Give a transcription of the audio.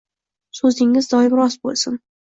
So‘zingiz doim rost bo‘lsin.